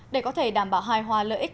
để có thể đảm bảo hài hòa lợi ích